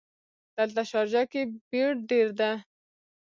دلته شارجه ګې بیړ ډېر ده.